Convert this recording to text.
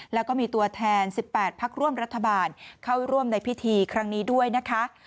แล้วก็มีตัวแทน๑๘พักร่วมรัฐบาลเข้าร่วมในพิธีครั้งนี้ด้วยนะคะ